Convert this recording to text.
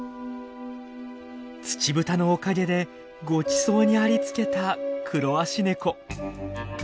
ツチブタのおかげでごちそうにありつけたクロアシネコ。